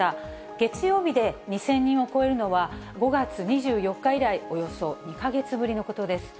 月曜日で２０００人を超えるのは、５月２４日以来、およそ２か月ぶりのことです。